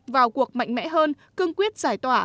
vào cuộc mạnh mẽ hơn cương quyết giải tỏa